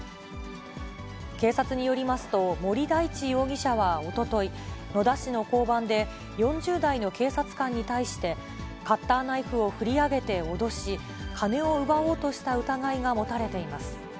警察によりますと、森大地容疑者はおととい、野田市の交番で、４０代の警察官に対して、カッターナイフを振り上げて脅し、金を奪おうとした疑いが持たれています。